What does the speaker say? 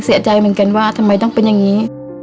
เสียใจเหมือนกันว่าทำไมต้องเป็นอย่างนี้